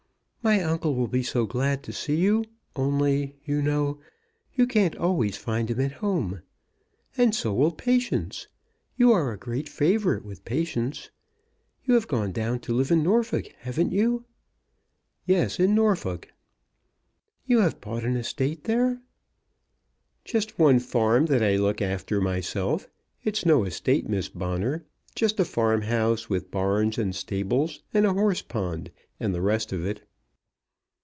"My uncle will be so glad to see you; only, you know, you can't always find him at home. And so will Patience. You are a great favourite with Patience. You have gone down to live in Norfolk, haven't you?" "Yes in Norfolk." "You have bought an estate there?" "Just one farm that I look after myself. It's no estate, Miss Bonner; just a farm house, with barns and stables, and a horse pond, and the rest of it."